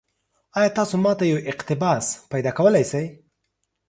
ایا تاسو ما ته یو اقتباس پیدا کولی شئ؟